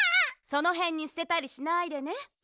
そのへんにすてたりしないでね。